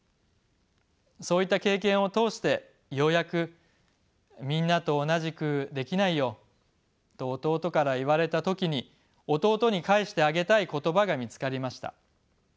そういった経験を通してようやく「みんなとおなじくできないよ」と弟から言われた時に弟に返してあげたい言葉が見つかりました。